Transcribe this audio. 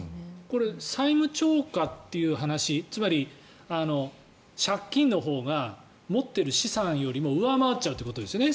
債務超過という話つまり借金のほうが持っている資産より上回っちゃうということですよね。